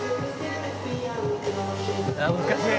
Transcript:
「ああ難しい！」